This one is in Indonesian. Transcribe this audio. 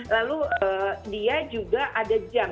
lalu dia juga ada jam